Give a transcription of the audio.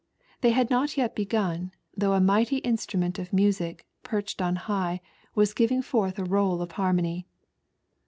They had not yet begun, though a mighty instrument of muaic, perched on high, was giving forth a roll of harmony.